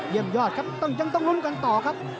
เยี่ยมยอดครับต้องยังต้องลุนกันต่อครับ